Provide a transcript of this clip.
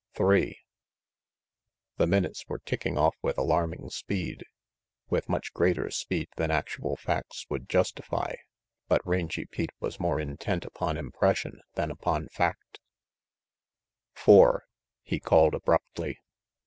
Three." The minutes were ticking off with alarming speed, with much greater speed than actual facts would justify, but Rangy Pete was more intent upon impression than upon fact. 84 RANGY PETE "Four," he called abruptly.